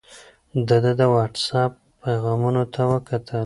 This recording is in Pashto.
ده د وټس اپ پیغامونو ته وکتل.